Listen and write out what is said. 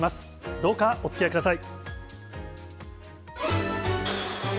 どうか、おつきあいください。